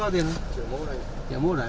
có vấn đề bảy tỷ